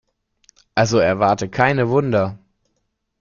Also erwarte keine Wunder.